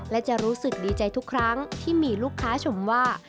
และจะรู้สึกดีใจทุกครั้งที่มีลูกค้าชมว่า